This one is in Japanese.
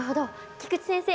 菊地先生